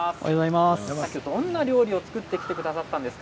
どんなお料理を作ってくださったんですか？